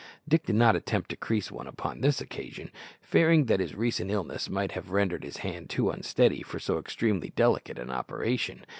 Dick did not attempt to crease one upon this occasion, fearing that his recent illness might have rendered his hand too unsteady for so extremely delicate an operation.